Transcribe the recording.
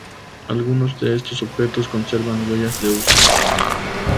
Algunos de estos objetos conservan huellas de uso.